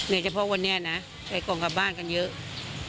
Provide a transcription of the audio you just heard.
เฉพาะวันนี้นะใช้กล่องกลับบ้านกันเยอะ